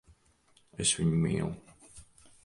Es viņu mīlu.